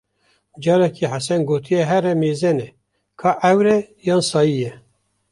Carekê Hesen gotiyê, here meyzêne, ka ewr e, yan sayî ye!